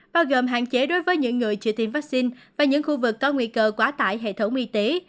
bao gồm hạn chế đối với những người chưa tiêm vaccine và những khu vực có nguy cơ quá tải hệ thống y tế